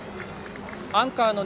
アンカーの２